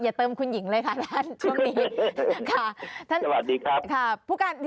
อย่าเติมคุณหญิงเลยค่ะท่านช่วงนี้ค่ะสวัสดีครับ